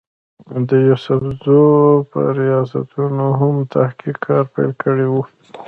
د يوسفزو پۀ رياستونو هم تحقيقي کار پېل کړی وو